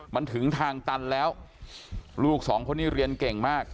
มันถึงทางตันแล้วลูกสองคนนี้เรียนเก่งมาก